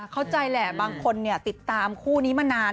เข้าใจแหละบางคนติดตามคู่นี้มานาน